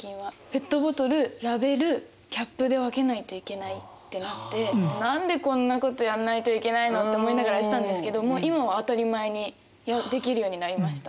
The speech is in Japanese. ペットボトルラベルキャップで分けないといけないってなって何でこんなことやんないといけないのって思いながらしたんですけどもう今は当たり前にできるようになりました。